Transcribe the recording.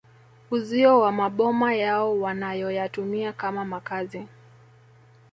Uzio wa maboma yao wanayoyatumia kama makazi